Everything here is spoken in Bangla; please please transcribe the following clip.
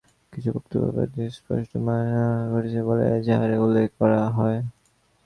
কিছু বক্তব্য প্রধানমন্ত্রীর সুস্পষ্ট মানহানি ঘটিয়েছে বলে এজাহারে উল্লেখ করা হয়।